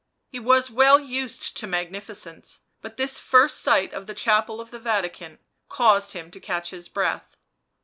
He was well used to magnificence, but this first sight of the chapel of the Vatican caused him to catch his breath.